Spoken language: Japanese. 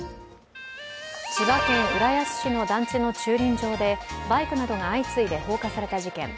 千葉県浦安市の団地の駐輪場でバイクなどが相次いで放火された事件。